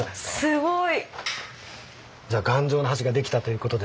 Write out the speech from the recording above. すごい。